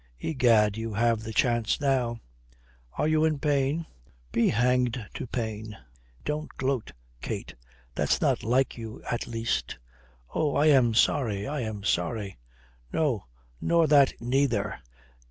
Egad, you have the chance now." "Are you in pain?" "Be hanged to pain! Don't gloat, Kate. That's not like you, at least." "Oh, I am sorry. I am sorry." "No, nor that neither.